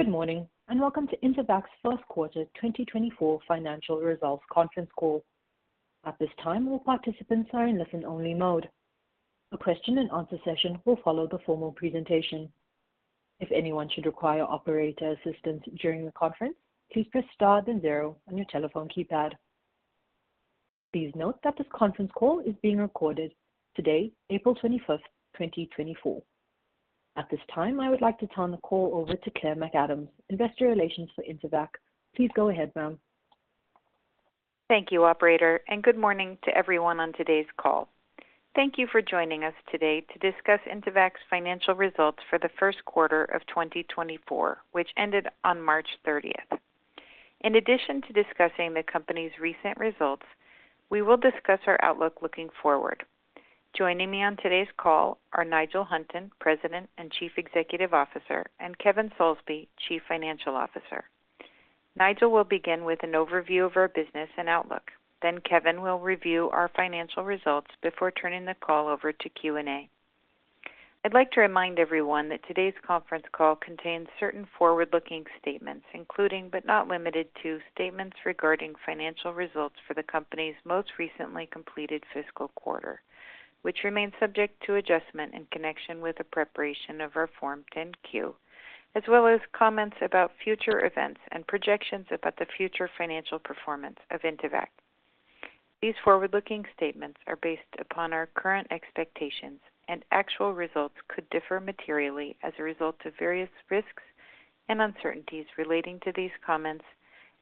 Good morning and welcome to Intevac's first quarter 2024 financial results conference call. At this time, all participants are in listen-only mode. A question-and-answer session will follow the formal presentation. If anyone should require operator assistance during the conference, please press star, then zero on your telephone keypad. Please note that this conference call is being recorded today, April 25th, 2024. At this time, I would like to turn the call over to Claire McAdams, Investor Relations for Intevac. Please go ahead, ma'am. Thank you, operator, and good morning to everyone on today's call. Thank you for joining us today to discuss Intevac's financial results for the first quarter of 2024, which ended on March 30th. In addition to discussing the company's recent results, we will discuss our outlook looking forward. Joining me on today's call are Nigel Hunton, President and Chief Executive Officer, and Kevin Soulsby, Chief Financial Officer. Nigel will begin with an overview of our business and outlook, then Kevin will review our financial results before turning the call over to Q&A. I'd like to remind everyone that today's conference call contains certain forward-looking statements, including but not limited to statements regarding financial results for the company's most recently completed fiscal quarter, which remain subject to adjustment in connection with the preparation of our Form 10-Q, as well as comments about future events and projections about the future financial performance of Intevac. These forward-looking statements are based upon our current expectations, and actual results could differ materially as a result of various risks and uncertainties relating to these comments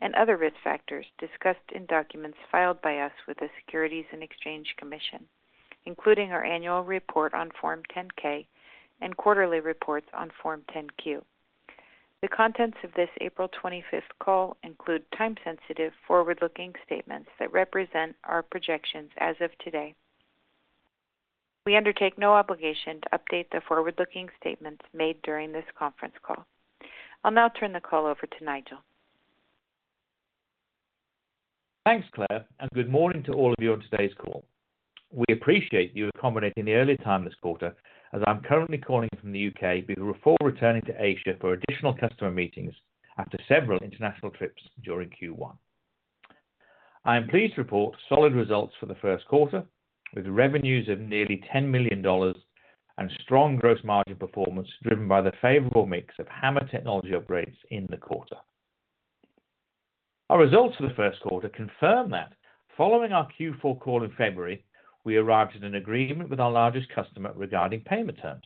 and other risk factors discussed in documents filed by us with the Securities and Exchange Commission, including our annual report on Form 10-K and quarterly reports on Form 10-Q. The contents of this April 25th call include time-sensitive, forward-looking statements that represent our projections as of today. We undertake no obligation to update the forward-looking statements made during this conference call. I'll now turn the call over to Nigel. Thanks, Claire, and good morning to all of you on today's call. We appreciate you accommodating the early time this quarter, as I'm currently calling from the U.K. before returning to Asia for additional customer meetings after several international trips during Q1. I am pleased to report solid results for the first quarter, with revenues of nearly $10 million and strong gross margin performance driven by the favorable mix of HAMR technology upgrades in the quarter. Our results for the first quarter confirm that, following our Q4 call in February, we arrived at an agreement with our largest customer regarding payment terms.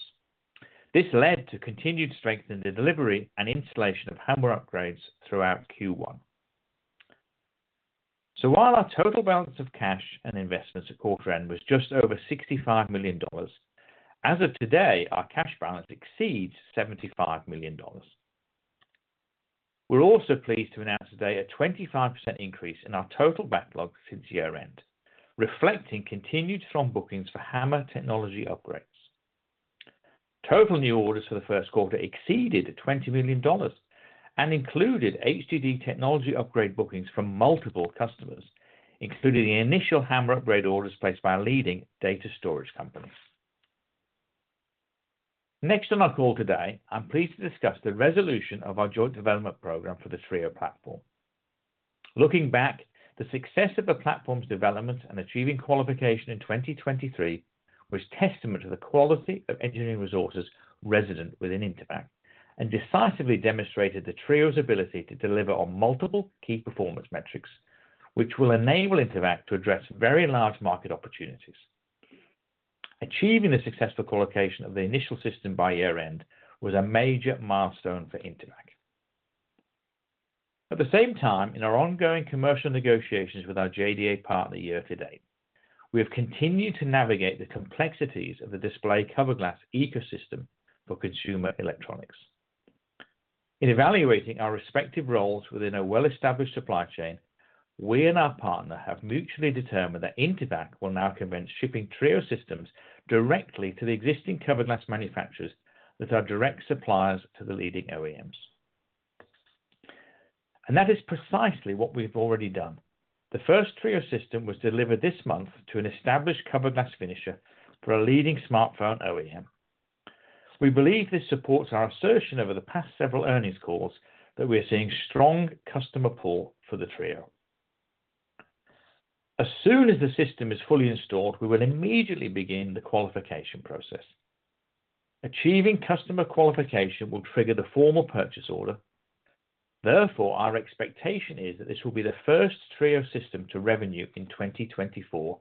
This led to continued strength in the delivery and installation of HAMR upgrades throughout Q1. So while our total balance of cash and investments at quarter end was just over $65 million, as of today, our cash balance exceeds $75 million. We're also pleased to announce today a 25% increase in our total backlog since year-end, reflecting continued strong bookings for HAMR technology upgrades. Total new orders for the first quarter exceeded $20 million and included HDD technology upgrade bookings from multiple customers, including the initial HAMR upgrade orders placed by leading data storage companies. Next on our call today, I'm pleased to discuss the resolution of our joint development program for the TRIO platform. Looking back, the success of the platform's development and achieving qualification in 2023 was testament to the quality of engineering resources resident within Intevac and decisively demonstrated the TRIO's ability to deliver on multiple key performance metrics, which will enable Intevac to address very large market opportunities. Achieving the successful collocation of the initial system by year-end was a major milestone for Intevac. At the same time, in our ongoing commercial negotiations with our JDA partner year to date, we have continued to navigate the complexities of the display cover glass ecosystem for consumer electronics. In evaluating our respective roles within a well-established supply chain, we and our partner have mutually determined that Intevac will now commence shipping TRIO systems directly to the existing cover glass manufacturers that are direct suppliers to the leading OEMs. That is precisely what we've already done. The first TRIO system was delivered this month to an established cover glass finisher for a leading smartphone OEM. We believe this supports our assertion over the past several earnings calls that we are seeing strong customer pull for the TRIO. As soon as the system is fully installed, we will immediately begin the qualification process. Achieving customer qualification will trigger the formal purchase order. Therefore, our expectation is that this will be the first TRIO system to revenue in 2024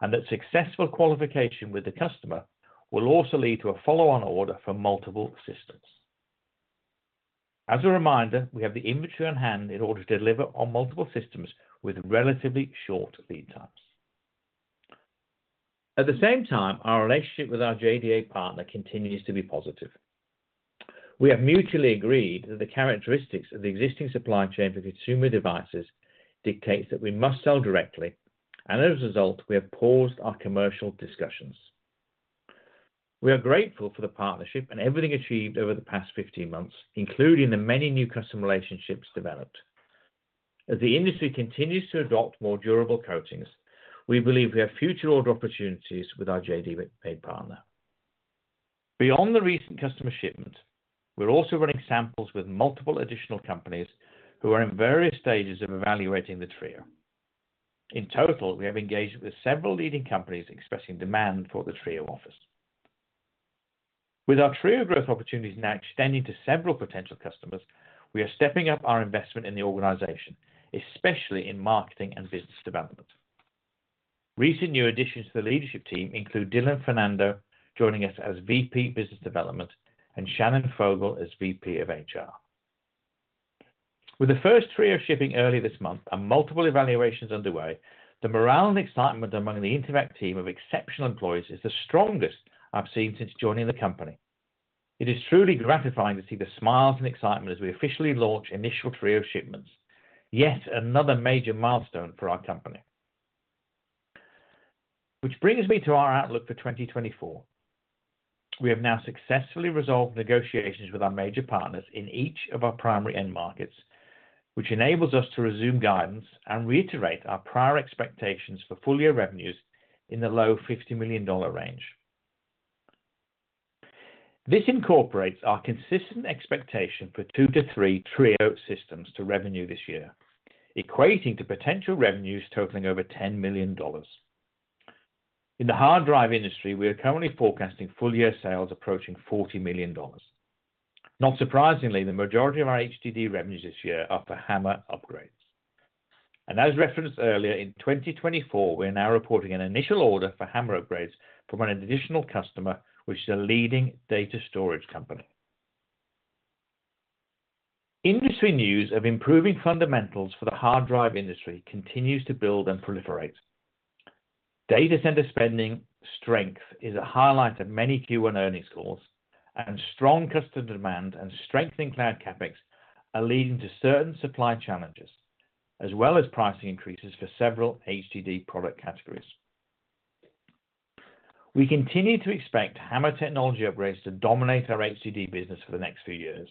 and that successful qualification with the customer will also lead to a follow-on order for multiple systems. As a reminder, we have the inventory on hand in order to deliver on multiple systems with relatively short lead times. At the same time, our relationship with our JDA partner continues to be positive. We have mutually agreed that the characteristics of the existing supply chain for consumer devices dictate that we must sell directly, and as a result, we have paused our commercial discussions. We are grateful for the partnership and everything achieved over the past 15 months, including the many new customer relationships developed. As the industry continues to adopt more durable coatings, we believe we have future order opportunities with our JDA partner. Beyond the recent customer shipment, we're also running samples with multiple additional companies who are in various stages of evaluating the TRIO. In total, we have engaged with several leading companies expressing demand for the TRIO office. With our TRIO growth opportunities now extending to several potential customers, we are stepping up our investment in the organization, especially in marketing and business development. Recent new additions to the leadership team include Dilan Fernando joining us as VP Business Development and Shannon Fogle as VP of HR. With the first TRIO shipping early this month and multiple evaluations underway, the morale and excitement among the Intevac team of exceptional employees is the strongest I've seen since joining the company. It is truly gratifying to see the smiles and excitement as we officially launch initial TRIO shipments, yet another major milestone for our company. Which brings me to our outlook for 2024. We have now successfully resolved negotiations with our major partners in each of our primary end markets, which enables us to resume guidance and reiterate our prior expectations for full-year revenues in the low $50 million range. This incorporates our consistent expectation for two to three TRIO systems to revenue this year, equating to potential revenues totaling over $10 million. In the hard drive industry, we are currently forecasting full-year sales approaching $40 million. Not surprisingly, the majority of our HDD revenues this year are for HAMR upgrades. And as referenced earlier, in 2024, we are now reporting an initial order for HAMR upgrades from an additional customer, which is a leading data storage company. Industry news of improving fundamentals for the hard drive industry continues to build and proliferate. Data center spending strength is a highlight of many Q1 earnings calls, and strong customer demand and strengthening cloud CapEx are leading to certain supply challenges, as well as pricing increases for several HDD product categories. We continue to expect HAMR technology upgrades to dominate our HDD business for the next few years.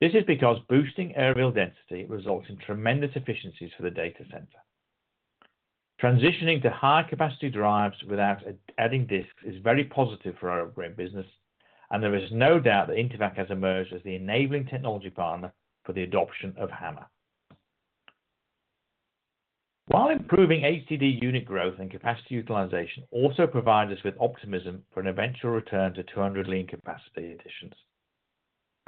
This is because boosting areal density results in tremendous efficiencies for the data center. Transitioning to higher capacity drives without adding disks is very positive for our upgrade business, and there is no doubt that Intevac has emerged as the enabling technology partner for the adoption of HAMR. While improving HDD unit growth and capacity utilization also provides us with optimism for an eventual return to 200 Lean capacity additions.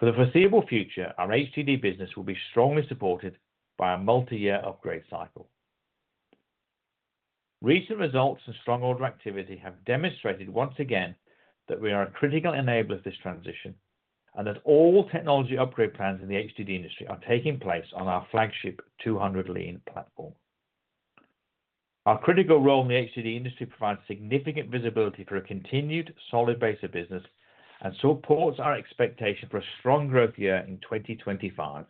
For the foreseeable future, our HDD business will be strongly supported by a multi-year upgrade cycle. Recent results and strong order activity have demonstrated once again that we are a critical enabler of this transition and that all technology upgrade plans in the HDD industry are taking place on our flagship 200 Lean platform. Our critical role in the HDD industry provides significant visibility for a continued solid base of business and supports our expectation for a strong growth year in 2025,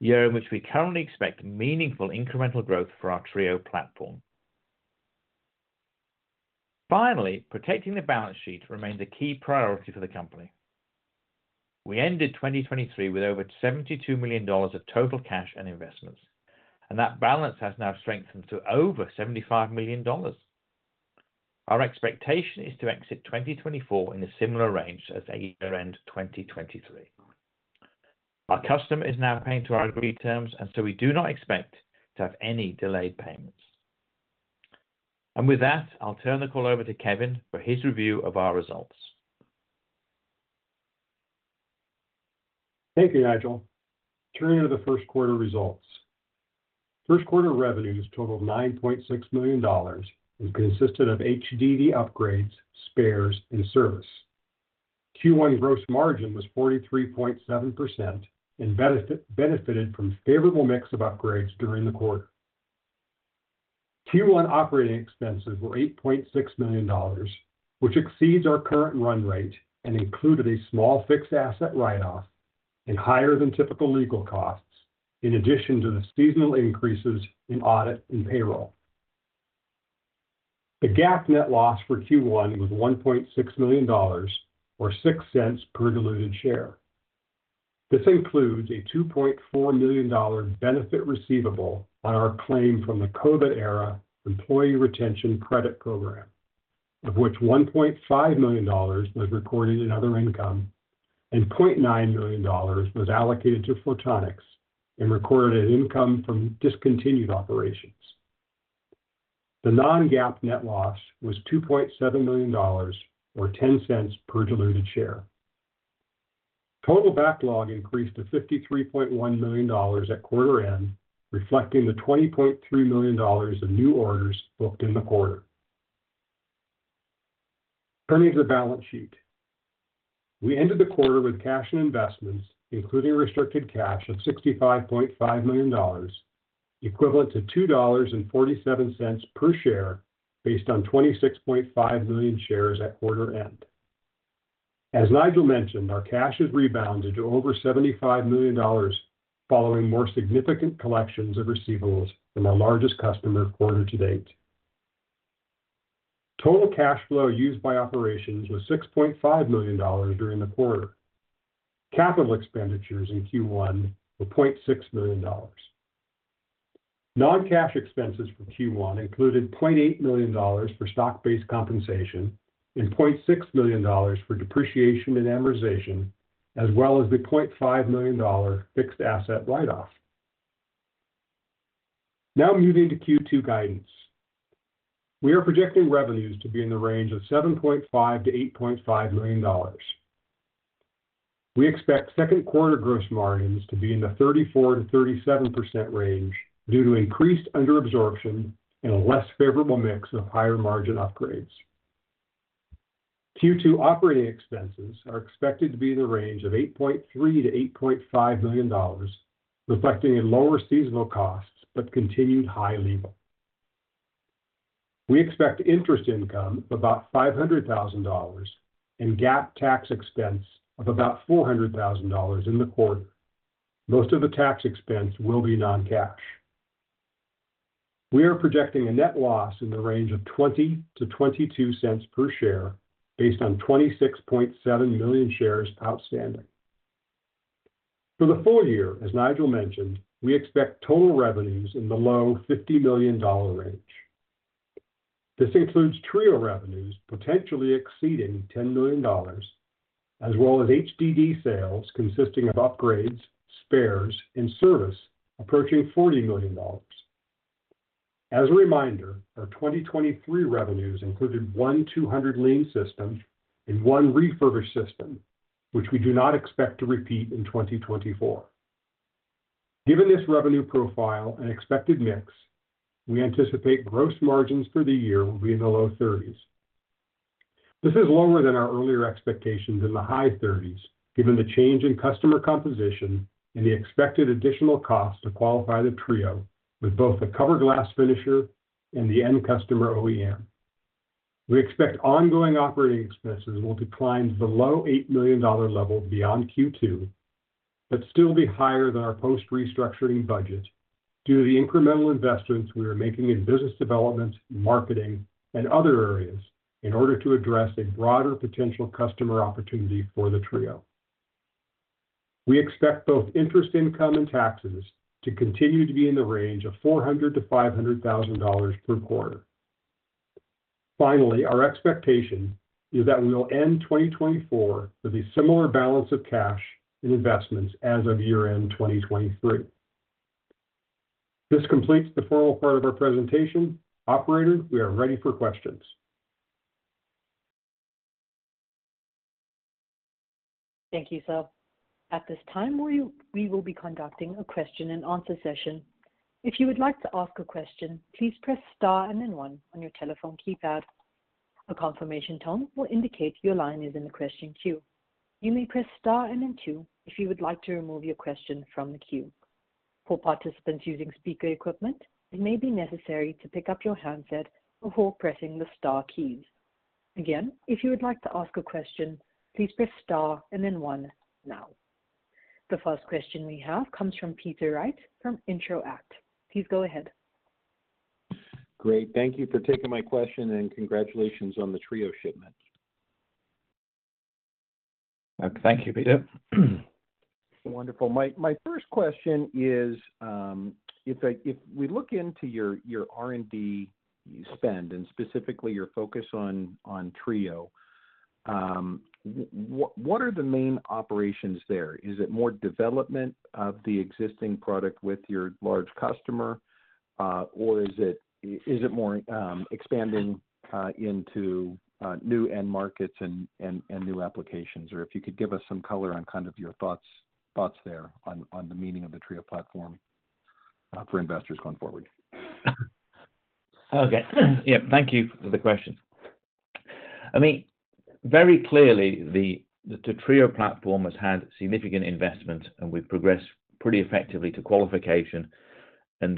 a year in which we currently expect meaningful incremental growth for our TRIO platform. Finally, protecting the balance sheet remains a key priority for the company. We ended 2023 with over $72 million of total cash and investments, and that balance has now strengthened to over $75 million. Our expectation is to exit 2024 in a similar range as year-end 2023. Our customer is now paying to our agreed terms, and so we do not expect to have any delayed payments. With that, I'll turn the call over to Kevin for his review of our results. Thank you, Nigel. Turning to the first quarter results. First quarter revenue has totaled $9.6 million and consisted of HDD upgrades, spares, and service. Q1 gross margin was 43.7% and benefited from a favorable mix of upgrades during the quarter. Q1 operating expenses were $8.6 million, which exceeds our current run rate and included a small fixed asset write-off and higher than typical legal costs, in addition to the seasonal increases in audit and payroll. The GAAP net loss for Q1 was $1.6 million or $0.06 per diluted share. This includes a $2.4 million benefit receivable on our claim from the COVID-era Employee Retention Credit Program, of which $1.5 million was recorded in other income and $0.9 million was allocated to Photonics and recorded as income from discontinued operations. The non-GAAP net loss was $2.7 million or $0.10 per diluted share. Total backlog increased to $53.1 million at quarter end, reflecting the $20.3 million of new orders booked in the quarter. Turning to the balance sheet. We ended the quarter with cash and investments, including restricted cash of $65.5 million, equivalent to $2.47 per share based on 26.5 million shares at quarter end. As Nigel mentioned, our cash has rebounded to over $75 million following more significant collections of receivables from our largest customer quarter to date. Total cash flow used by operations was $6.5 million during the quarter. Capital expenditures in Q1 were $0.6 million. Non-cash expenses for Q1 included $0.8 million for stock-based compensation and $0.6 million for depreciation and amortization, as well as the $0.5 million fixed asset write-off. Now moving to Q2 guidance. We are projecting revenues to be in the range of $7.5-$8.5 million. We expect second quarter gross margins to be in the 34%-37% range due to increased underabsorption and a less favorable mix of higher margin upgrades. Q2 operating expenses are expected to be in the range of $8.3-$8.5 million, reflecting a lower seasonal cost but continued high legal. We expect interest income of about $500,000 and GAAP tax expense of about $400,000 in the quarter. Most of the tax expense will be non-cash. We are projecting a net loss in the range of $0.20-$0.22 per share based on 26.7 million shares outstanding. For the full year, as Nigel mentioned, we expect total revenues in the low $50 million range. This includes TRIO revenues potentially exceeding $10 million, as well as HDD sales consisting of upgrades, spares, and service approaching $40 million. As a reminder, our 2023 revenues included one 200 Lean system and one refurbished system, which we do not expect to repeat in 2024. Given this revenue profile and expected mix, we anticipate gross margins for the year will be in the low 30s. This is lower than our earlier expectations in the high 30s, given the change in customer composition and the expected additional cost to qualify the TRIO with both the cover glass finisher and the end customer OEM. We expect ongoing operating expenses will decline to the low $8 million level beyond Q2, but still be higher than our post-restructuring budget due to the incremental investments we are making in business development, marketing, and other areas in order to address a broader potential customer opportunity for the TRIO. We expect both interest income and taxes to continue to be in the range of $400,000-$500,000 per quarter. Finally, our expectation is that we will end 2024 with a similar balance of cash and investments as of year-end 2023. This completes the formal part of our presentation. Operator, we are ready for questions. Thank you, Sal. At this time, we will be conducting a question-and-answer session. If you would like to ask a question, please press star and then one on your telephone keypad. A confirmation tone will indicate your line is in the question queue. You may press star and then two if you would like to remove your question from the queue. For participants using speaker equipment, it may be necessary to pick up your handset before pressing the star keys. Again, if you would like to ask a question, please press star and then one now. The first question we have comes from Peter Wright from Intro-act. Please go ahead. Great. Thank you for taking my question and congratulations on the TRIO shipment. Thank you, Peter. Wonderful. My first question is, if we look into your R&D spend and specifically your focus on TRIO, what are the main operations there? Is it more development of the existing product with your large customer, or is it more expanding into new end markets and new applications? Or if you could give us some color on kind of your thoughts there on the meaning of the TRIO platform for investors going forward? Okay. Yep. Thank you for the question. I mean, very clearly, the TRIO platform has had significant investment, and we've progressed pretty effectively to qualification.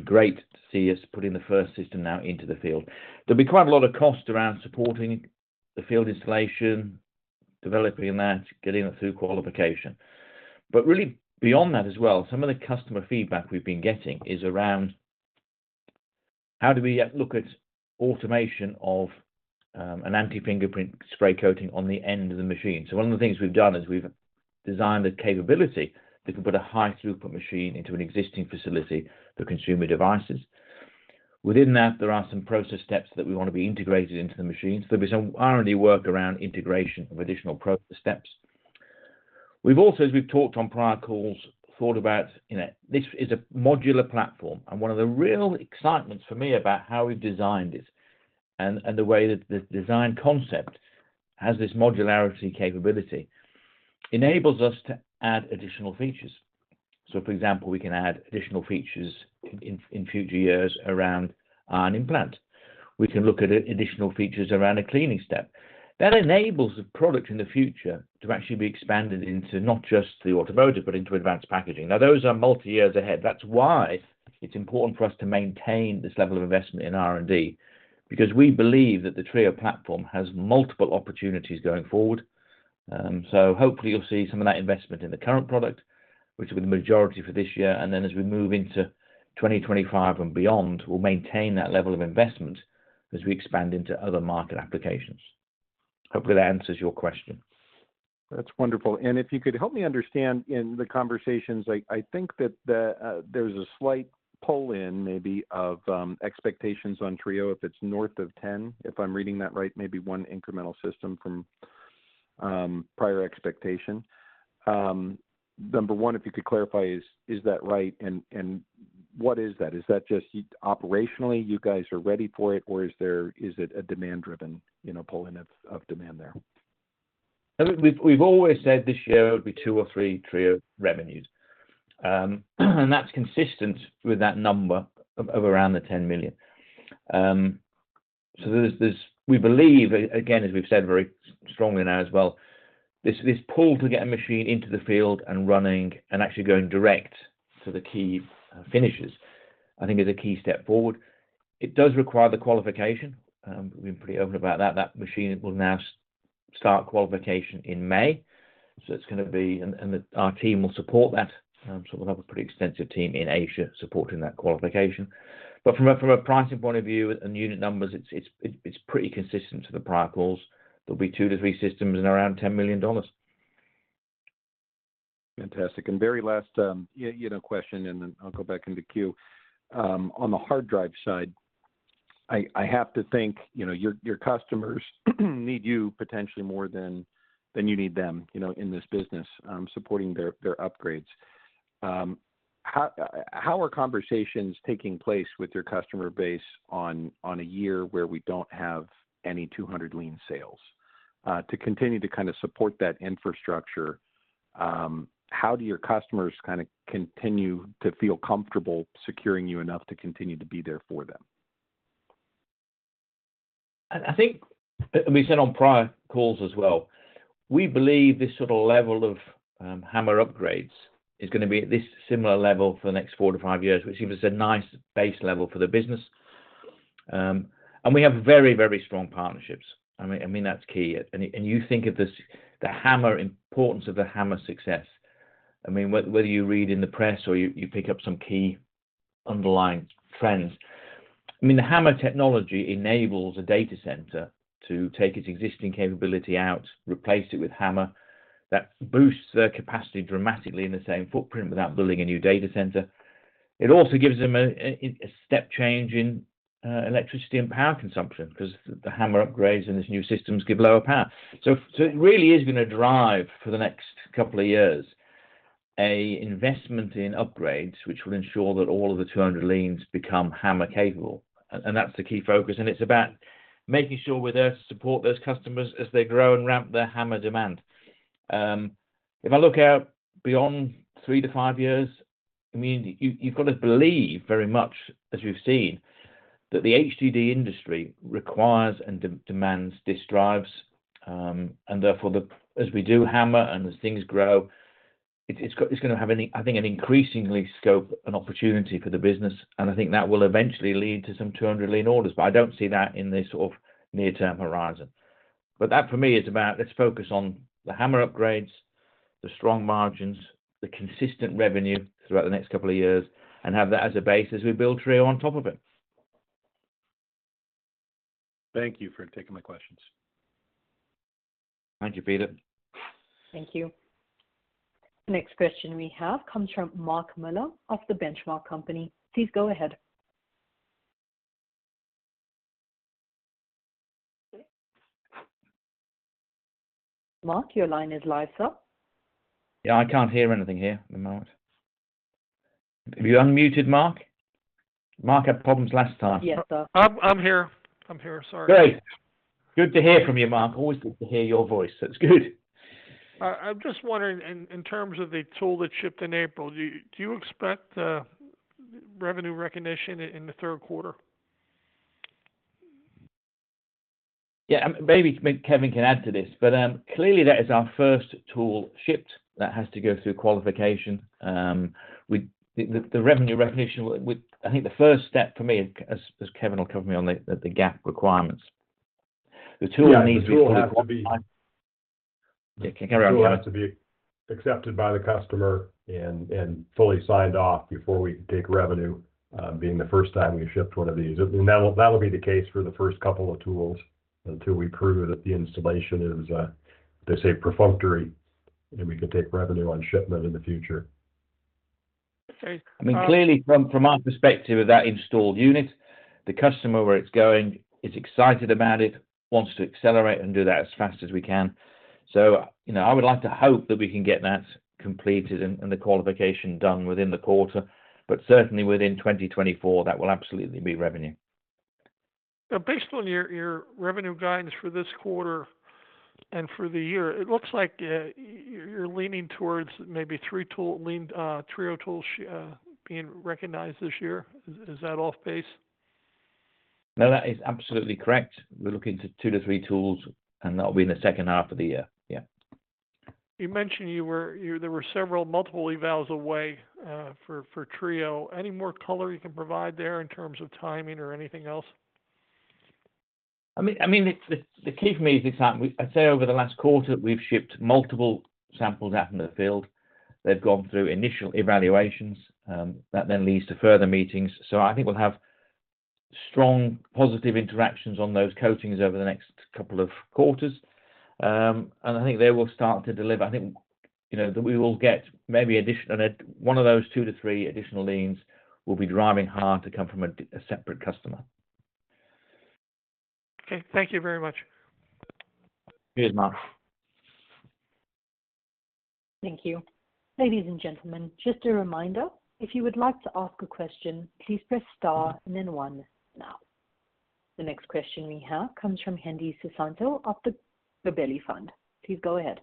Great to see us putting the first system now into the field. There'll be quite a lot of cost around supporting the field installation, developing that, getting it through qualification. Really, beyond that as well, some of the customer feedback we've been getting is around how do we look at automation of an anti-fingerprint spray coating on the end of the machine. One of the things we've done is we've designed a capability that can put a high-throughput machine into an existing facility for consumer devices. Within that, there are some process steps that we want to be integrated into the machine. There'll be some R&D work around integration of additional process steps. We've also, as we've talked on prior calls, thought about this is a modular platform. One of the real excitements for me about how we've designed it and the way that the design concept has this modularity capability enables us to add additional features. So, for example, we can add additional features in future years around an implant. We can look at additional features around a cleaning step. That enables the product in the future to actually be expanded into not just the automotive, but into advanced packaging. Now, those are multi-years ahead. That's why it's important for us to maintain this level of investment in R&D, because we believe that the TRIO platform has multiple opportunities going forward. So hopefully, you'll see some of that investment in the current product, which will be the majority for this year. And then as we move into 2025 and beyond, we'll maintain that level of investment as we expand into other market applications. Hopefully, that answers your question. That's wonderful. And if you could help me understand in the conversations, I think that there's a slight pull-in maybe of expectations on TRIO if it's north of $10, if I'm reading that right, maybe one incremental system from prior expectation. Number one, if you could clarify, is that right? And what is that? Is that just operationally, you guys are ready for it, or is it a demand-driven pull-in of demand there? We've always said this year it would be 2 or 3 TRIO revenues. And that's consistent with that number of around the $10 million. So we believe, again, as we've said very strongly now as well, this pull to get a machine into the field and running and actually going direct to the key finishes, I think, is a key step forward. It does require the qualification. We've been pretty open about that. That machine will now start qualification in May. So it's going to be and our team will support that. So we'll have a pretty extensive team in Asia supporting that qualification. But from a pricing point of view and unit numbers, it's pretty consistent to the prior calls. There'll be 2-3 systems and around $10 million. Fantastic. And very last question, and then I'll go back into queue. On the hard drive side, I have to think your customers need you potentially more than you need them in this business supporting their upgrades. How are conversations taking place with your customer base on a year where we don't have any 200 Lean sales? To continue to kind of support that infrastructure, how do your customers kind of continue to feel comfortable securing you enough to continue to be there for them? I think we said on prior calls as well, we believe this sort of level of HAMR upgrades is going to be at this similar level for the next 4-5 years, which seems to be a nice base level for the business. And we have very, very strong partnerships. I mean, that's key. And you think of the HAMR importance of the HAMR success. I mean, whether you read in the press or you pick up some key underlying trends, I mean, the HAMR technology enables a data center to take its existing capability out, replace it with HAMR. That boosts their capacity dramatically in the same footprint without building a new data center. It also gives them a step change in electricity and power consumption because the HAMR upgrades and these new systems give lower power. So it really is going to drive for the next couple of years an investment in upgrades, which will ensure that all of the 200 Leans become HAMR capable. That's the key focus. And it's about making sure we're there to support those customers as they grow and ramp their HAMR demand. If I look out beyond 3 to 5 years, I mean, you've got to believe very much, as we've seen, that the HDD industry requires and demands this drives. And therefore, as we do HAMR and as things grow, it's going to have, I think, an increasingly scope and opportunity for the business. And I think that will eventually lead to some 200 Lean orders. But I don't see that in this sort of near-term horizon. But that, for me, is about let's focus on the HAMR upgrades, the strong margins, the consistent revenue throughout the next couple of years, and have that as a base as we build TRIO on top of it. Thank you for taking my questions. Thank you, Peter. Thank you. Next question we have comes from Mark Miller of the Benchmark Company. Please go ahead. Mark, your line is live, Sir. Yeah, I can't hear anything here at the moment. Have you unmuted, Mark? Mark had problems last time. Yes, Sir. I'm here. I'm here. Sorry. Great. Good to hear from you, Mark. Always good to hear your voice. That's good. I'm just wondering, in terms of the tool that shipped in April, do you expect revenue recognition in the third quarter? Yeah. Maybe Kevin can add to this. But clearly, that is our first tool shipped that has to go through qualification. The revenue recognition, I think the first step for me, as Kevin will cover me on the GAAP requirements, the tool needs to be fully approved. The tool has to be yeah, can you carry on, Kevin? It has to be accepted by the customer and fully signed off before we can take revenue, being the first time we shipped one of these. That'll be the case for the first couple of tools until we prove that the installation is, they say, perfunctory, and we can take revenue on shipment in the future. I mean, clearly, from our perspective with that installed unit, the customer where it's going is excited about it, wants to accelerate and do that as fast as we can. So I would like to hope that we can get that completed and the qualification done within the quarter. But certainly, within 2024, that will absolutely be revenue. Now, based on your revenue guidance for this quarter and for the year, it looks like you're leaning towards maybe three TRIO tools being recognized this year. Is that off base? No, that is absolutely correct. We're looking to 2-3 tools, and that'll be in the second half of the year. Yeah. You mentioned there were several multiple evals away for TRIO. Any more color you can provide there in terms of timing or anything else? I mean, the key for me is the exact I'd say over the last quarter, we've shipped multiple samples out in the field. They've gone through initial evaluations. That then leads to further meetings. So I think we'll have strong, positive interactions on those coatings over the next couple of quarters. And I think they will start to deliver. I think that we will get maybe one of those 2-3 additional leans will be driving hard to come from a separate customer. Okay. Thank you very much. Cheers, Mark. Thank you. Ladies and gentlemen, just a reminder, if you would like to ask a question, please press star and then one now. The next question we have comes from Hendi Susanto of the Gabelli Funds. Please go ahead.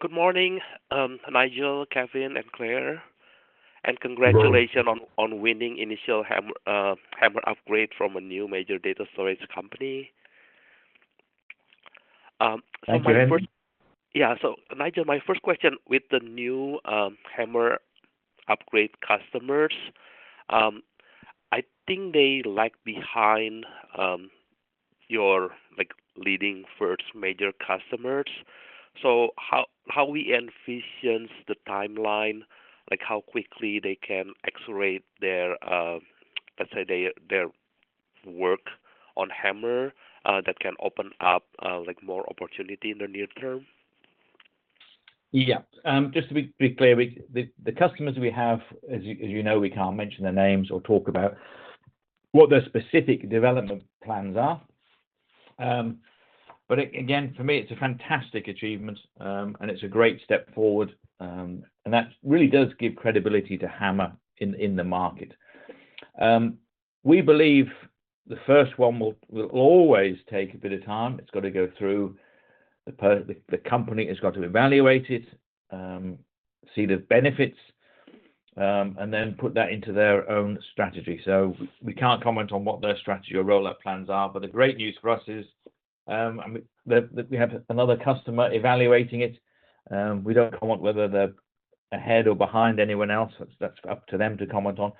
Good morning, Nigel, Kevin, and Claire. Congratulations on winning initial HAMR upgrade from a new major data storage company. Thank you, Kevin. Yeah. So Nigel, my first question, with the new HAMR upgrade customers, I think they lag behind your leading first major customers. So how we envision the timeline, how quickly they can accelerate, let's say, their work on HAMR, that can open up more opportunity in the near term? Yeah. Just to be clear, the customers we have, as you know, we can't mention their names or talk about what their specific development plans are. But again, for me, it's a fantastic achievement, and it's a great step forward. And that really does give credibility to HAMR in the market. We believe the first one will always take a bit of time. It's got to go through the company. It's got to evaluate it, see the benefits, and then put that into their own strategy. So we can't comment on what their strategy or roll-up plans are. But the great news for us is we have another customer evaluating it. We don't comment whether they're ahead or behind anyone else. That's up to them to comment on.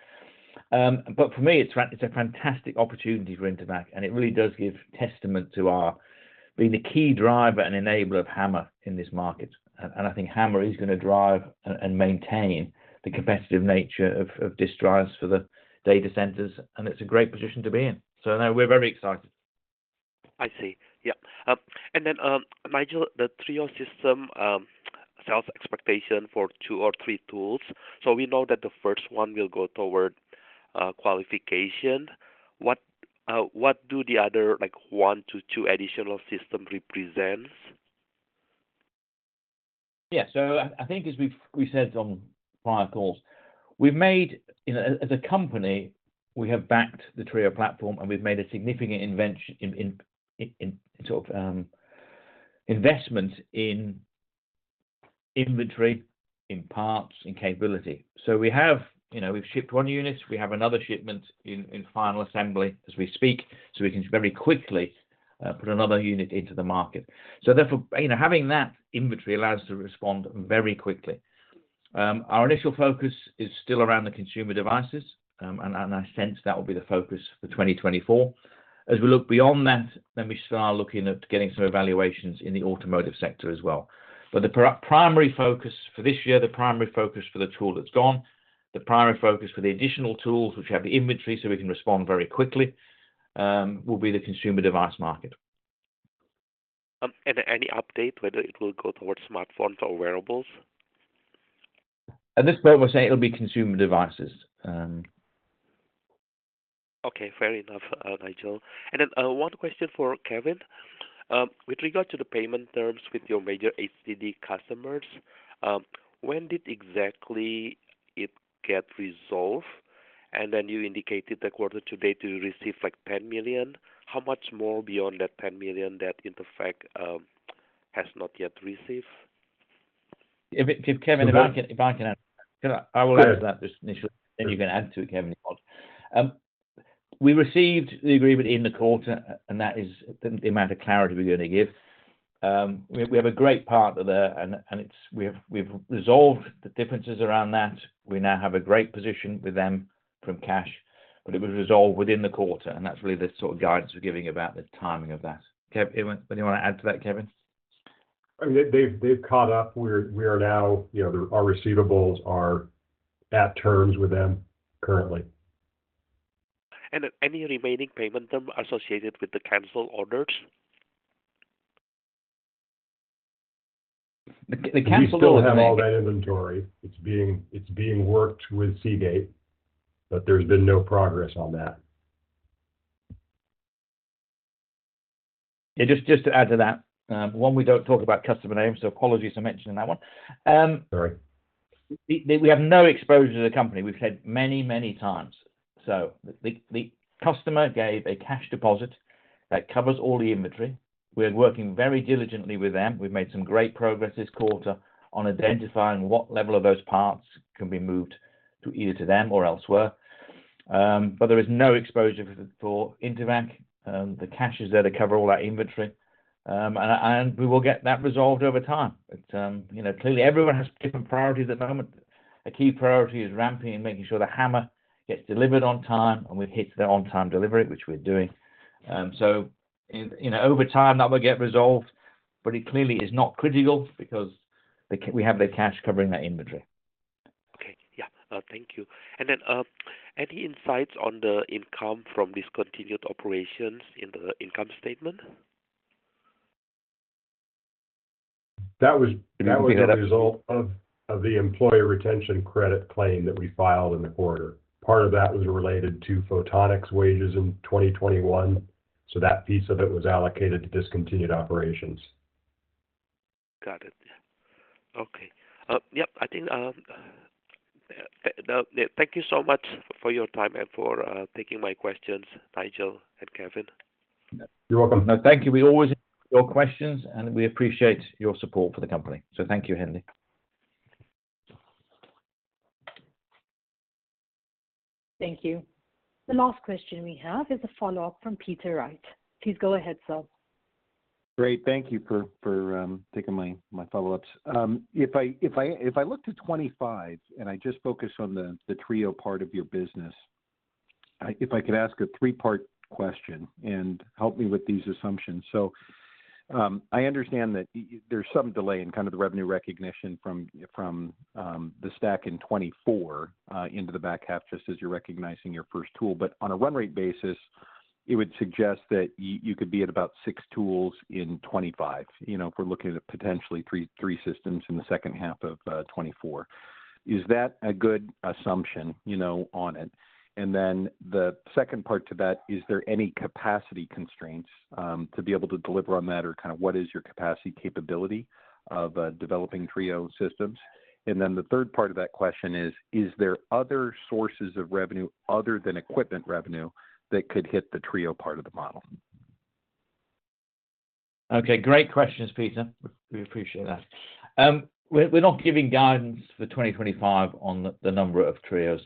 But for me, it's a fantastic opportunity for Intevac. It really does give testament to our being the key driver and enabler of HAMR in this market. I think HAMR is going to drive and maintain the competitive nature of this drives for the data centers. It's a great position to be in. So no, we're very excited. I see. Yep. And then, Nigel, the TRIO system sales expectation for 2 or 3 tools. So we know that the first 1 will go toward qualification. What do the other 1-2 additional systems represent? Yeah. So I think, as we've said on prior calls, we've made as a company, we have backed the TRIO platform, and we've made a significant sort of investment in inventory, in parts, in capability. So we've shipped one unit. We have another shipment in final assembly as we speak, so we can very quickly put another unit into the market. So therefore, having that inventory allows us to respond very quickly. Our initial focus is still around the consumer devices. And I sense that will be the focus for 2024. As we look beyond that, then we start looking at getting some evaluations in the automotive sector as well. But the primary focus for this year, the primary focus for the tool that's gone, the primary focus for the additional tools, which have the inventory so we can respond very quickly, will be the consumer device market. Any update, whether it will go towards smartphones or wearables? At this point, we'll say it'll be consumer devices. Okay. Fair enough, Nigel. And then one question for Kevin. With regard to the payment terms with your major HDD customers, when did exactly it get resolved? And then you indicated the quarter to date you received $10 million. How much more beyond that $10 million that Intevac has not yet received? If Kevin can add to that, I will add to that just initially, and then you can add to it, Kevin, if you want. We received the agreement in the quarter, and that is the amount of clarity we're going to give. We have a great partner there, and we've resolved the differences around that. We now have a great position with them from cash. But it was resolved within the quarter. And that's really the sort of guidance we're giving about the timing of that. Kevin, anyone want to add to that, Kevin? I mean, they've caught up. We are now, our receivables are at terms with them currently. Any remaining payment term associated with the cancelled orders? The canceled orders still have. We still have all that inventory. It's being worked with Seagate, but there's been no progress on that. Yeah. Just to add to that, one, we don't talk about customer names. So apologies for mentioning that one. Sorry. We have no exposure to the company. We've said many, many times. So the customer gave a cash deposit that covers all the inventory. We're working very diligently with them. We've made some great progress this quarter on identifying what level of those parts can be moved either to them or elsewhere. But there is no exposure for Intevac. The cash is there to cover all that inventory. And we will get that resolved over time. Clearly, everyone has different priorities at the moment. A key priority is ramping and making sure the HAMR gets delivered on time, and we've hit their on-time delivery, which we're doing. So over time, that will get resolved. But it clearly is not critical because we have their cash covering that inventory. Okay. Yeah. Thank you. And then any insights on the income from discontinued operations in the income statement? That was a result of the employee retention credit claim that we filed in the quarter. Part of that was related to Photonics wages in 2021. So that piece of it was allocated to discontinued operations. Got it. Yeah. Okay. Yep. I think thank you so much for your time and for taking my questions, Nigel and Kevin. You're welcome. Thank you. We always hear your questions, and we appreciate your support for the company. Thank you, Hendi. Thank you. The last question we have is a follow-up from Peter Wright. Please go ahead, Sir. Great. Thank you for taking my follow-ups. If I look to 2025 and I just focus on the TRIO part of your business, if I could ask a 3-part question and help me with these assumptions. So I understand that there's some delay in kind of the revenue recognition from the stack in 2024 into the back half just as you're recognizing your first tool. But on a run-rate basis, it would suggest that you could be at about 6 tools in 2025 if we're looking at potentially 3 systems in the second half of 2024. Is that a good assumption on it? And then the second part to that, is there any capacity constraints to be able to deliver on that, or kind of what is your capacity capability of developing TRIO systems? And then the third part of that question is, is there other sources of revenue other than equipment revenue that could hit the TRIO part of the model? Okay. Great questions, Peter. We appreciate that. We're not giving guidance for 2025 on the number of TRIOs.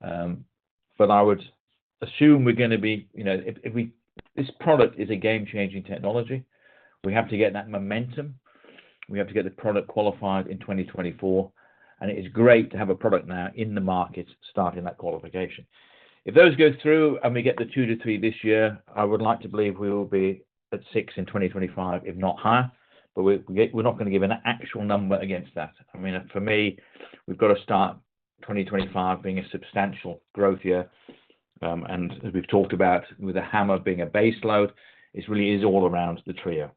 But I would assume we're going to be. This product is a game-changing technology. We have to get that momentum. We have to get the product qualified in 2024. And it is great to have a product now in the market starting that qualification. If those go through and we get the 2-3 this year, I would like to believe we will be at 6 in 2025, if not higher. But we're not going to give an actual number against that. I mean, for me, we've got to start 2025 being a substantial growth year. And as we've talked about, with the HAMR being a base load, it really is all around the TRIO.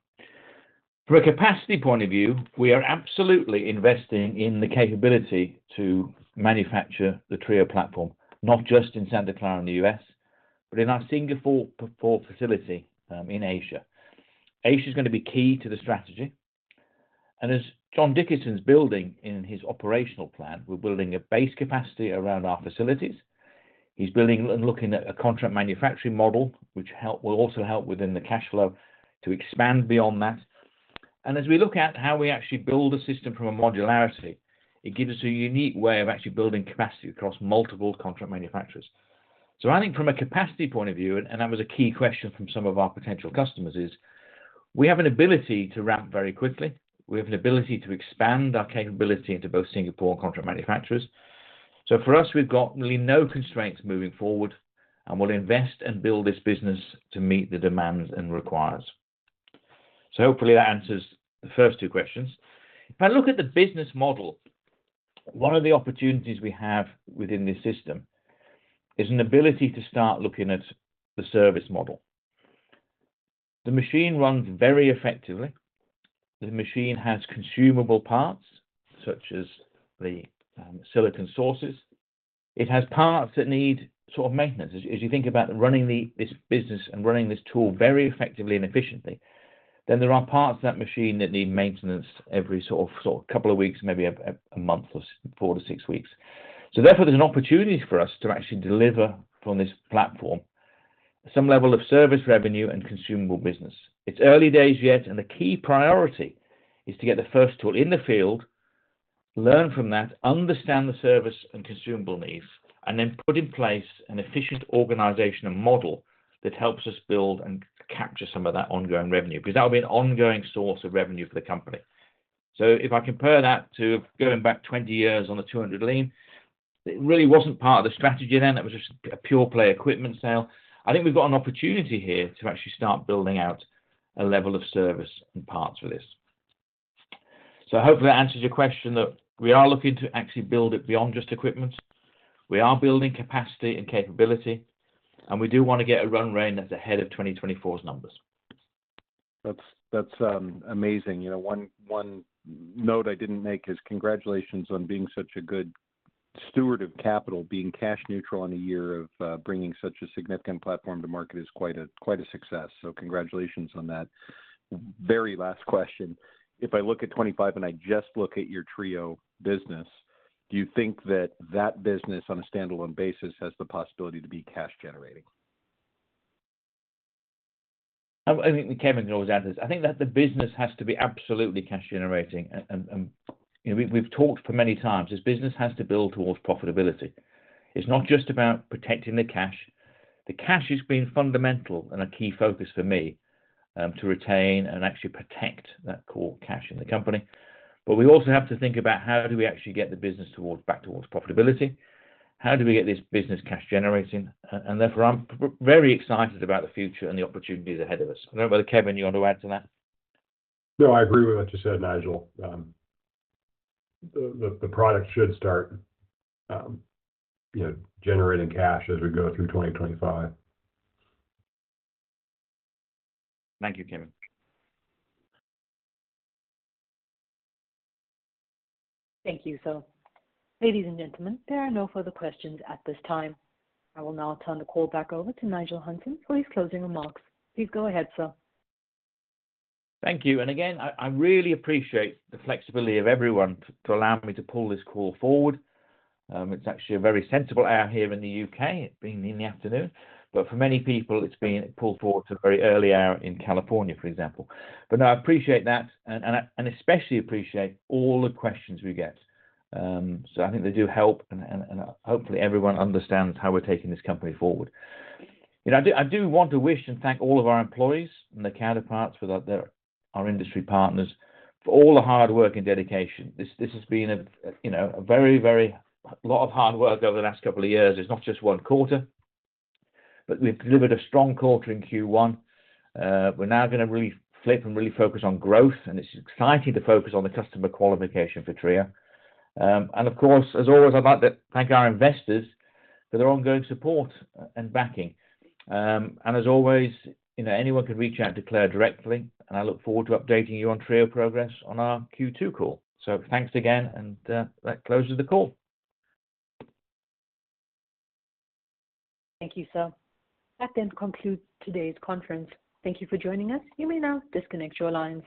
From a capacity point of view, we are absolutely investing in the capability to manufacture the TRIO platform, not just in Santa Clara in the U.S., but in our Singapore facility in Asia. Asia is going to be key to the strategy. And as John Dickinson's building in his operational plan, we're building a base capacity around our facilities. He's building and looking at a contract manufacturing model, which will also help within the cash flow to expand beyond that. And as we look at how we actually build a system from a modularity, it gives us a unique way of actually building capacity across multiple contract manufacturers. So I think from a capacity point of view, and that was a key question from some of our potential customers, is we have an ability to ramp very quickly. We have an ability to expand our capability into both Singapore and contract manufacturers. So for us, we've got really no constraints moving forward, and we'll invest and build this business to meet the demands and requires. So hopefully, that answers the first two questions. If I look at the business model, one of the opportunities we have within this system is an ability to start looking at the service model. The machine runs very effectively. The machine has consumable parts such as the silicon sources. It has parts that need sort of maintenance. As you think about running this business and running this tool very effectively and efficiently, then there are parts of that machine that need maintenance every sort of couple of weeks, maybe a month, or 4-6 weeks. So therefore, there's an opportunity for us to actually deliver from this platform some level of service revenue and consumable business. It's early days yet, and the key priority is to get the first tool in the field, learn from that, understand the service and consumable needs, and then put in place an efficient organization and model that helps us build and capture some of that ongoing revenue because that will be an ongoing source of revenue for the company. So if I compare that to going back 20 years on the 200 Lean, it really wasn't part of the strategy then. It was just a pure-play equipment sale. I think we've got an opportunity here to actually start building out a level of service and parts for this. So hopefully, that answers your question that we are looking to actually build it beyond just equipment. We are building capacity and capability, and we do want to get a run rate that's ahead of 2024's numbers. That's amazing. One note I didn't make is congratulations on being such a good steward of capital, being cash neutral in a year of bringing such a significant platform to market is quite a success. Congratulations on that. Very last question. If I look at 2025 and I just look at your TRIO business, do you think that that business on a standalone basis has the possibility to be cash-generating? I think Kevin can always answer this. I think that the business has to be absolutely cash-generating. And we've talked for many times, this business has to build towards profitability. It's not just about protecting the cash. The cash has been fundamental and a key focus for me to retain and actually protect that core cash in the company. But we also have to think about how do we actually get the business back towards profitability? How do we get this business cash-generating? And therefore, I'm very excited about the future and the opportunities ahead of us. I don't know whether Kevin, you want to add to that? No, I agree with what you said, Nigel. The product should start generating cash as we go through 2025. Thank you, Kevin. Thank you, Sir. Ladies and gentlemen, there are no further questions at this time. I will now turn the call back over to Nigel Hunton for his closing remarks. Please go ahead, Sir. Thank you. And again, I really appreciate the flexibility of everyone to allow me to pull this call forward. It's actually a very sensible hour here in the UK, being in the afternoon. But for many people, it's been pulled forward to a very early hour in California, for example. But no, I appreciate that and especially appreciate all the questions we get. So I think they do help, and hopefully, everyone understands how we're taking this company forward. I do want to wish and thank all of our employees and their counterparts, our industry partners, for all the hard work and dedication. This has been a very, very lot of hard work over the last couple of years. It's not just one quarter. But we've delivered a strong quarter in Q1. We're now going to really flip and really focus on growth, and it's exciting to focus on the customer qualification for TRIO. And of course, as always, I'd like to thank our investors for their ongoing support and backing. And as always, anyone can reach out to Claire directly, and I look forward to updating you on TRIO progress on our Q2 call. So thanks again, and that closes the call. Thank you, Sir. That then concludes today's conference. Thank you for joining us. You may now disconnect your lines.